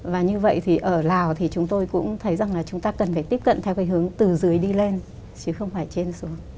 và như vậy thì ở lào thì chúng tôi cũng thấy rằng là chúng ta cần phải tiếp cận theo cái hướng từ dưới đi lên chứ không phải trên xuống